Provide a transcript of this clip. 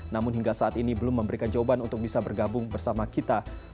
namun hingga saat ini belum memberikan jawaban untuk bisa bergabung bersama kita